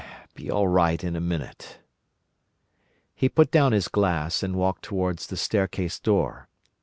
Be all right in a minute." He put down his glass, and walked towards the staircase door.